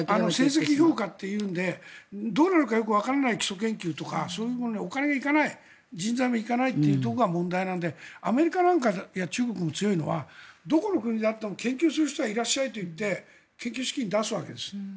成績評価というのでどうなるかよくわからない基礎研究とかそういうものにお金や人材が行かないのが問題なのでアメリカや中国が強いのはどこの国であっても研究する人はいらっしゃいと言って研究資金を出すわけです。